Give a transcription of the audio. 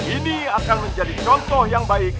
ini akan menjadi contoh yang baik